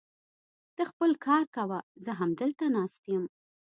ته خپل کار کوه، زه همدلته ناست يم.